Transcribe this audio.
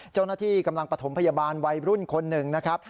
เจ้าหน้าที่กำลังประถมพยาบาลวัยรุ่นคนหนึ่งนะครับ